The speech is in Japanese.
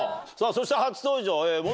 そして初登場。